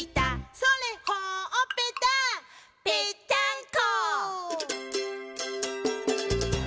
「それほっぺた」「ぺったんこ！」